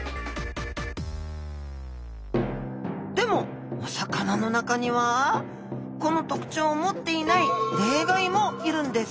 でもお魚の中にはこの特徴を持っていない例外もいるんです。